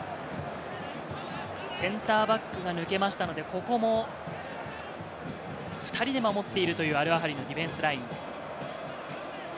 センターバックが抜けましたので、ここも２人で守っているというアルアハリのディフェンスライン。